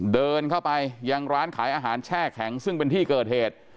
เดินเข้าไปยังร้านขายอาหารแช่แข็งซึ่งเป็นที่เกิดเหตุ